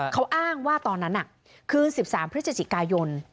เขาอ้างว่าตอนนั้นคือ๑๓พฤศจิกายน